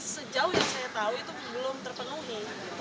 sejauh yang saya tahu itu belum terpenuhi